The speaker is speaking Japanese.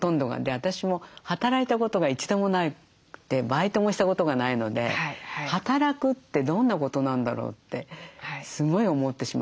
私も働いたことが一度もなくてバイトもしたことがないので働くってどんなことなんだろうってすごい思ってしまって。